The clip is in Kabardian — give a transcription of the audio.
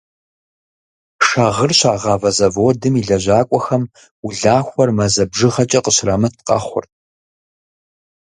Шагъыр щагъавэ зэводым и лэжьакӏуэхэм улахуэр мазэ бжыгъэкӏэ къыщырамыт къэхъурт.